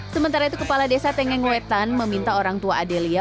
sementara itu kepala desa tengengwetan meminta orang tua adelia